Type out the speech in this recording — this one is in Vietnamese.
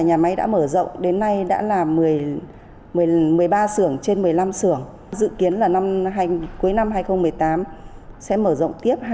nhà máy đã mở rộng đến nay đã là một mươi ba xưởng trên một mươi năm xưởng dự kiến là cuối năm hai nghìn một mươi tám sẽ mở rộng tiếp